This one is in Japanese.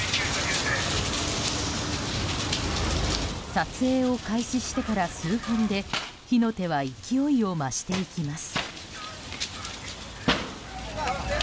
撮影を開始してから数分で火の手は勢いを増していきます。